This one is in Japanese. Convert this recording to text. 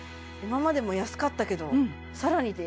今までも安かったけど更に？